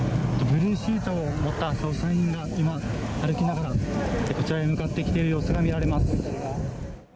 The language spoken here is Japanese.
ブルーシートを持った捜査員が今、歩きながらこちらへ向かってきている様子が見られます。